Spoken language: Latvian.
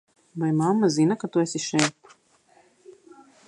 Vai mamma zina, ka tu esi šeit?